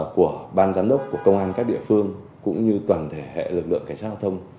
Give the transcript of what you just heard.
của ban giám đốc của công an các địa phương cũng như toàn thể hệ lực lượng cảnh sát giao thông